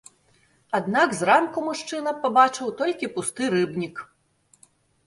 Аднак зранку мужчына пабачыў толькі пусты рыбнік.